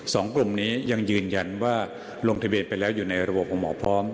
สองกลุ่มนี้ยังยืนยันว่าลงทะเบียนไปแล้วอยู่ในระบบของหมอพร้อม